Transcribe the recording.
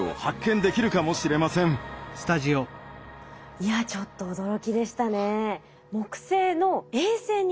いやちょっと驚きでしたね。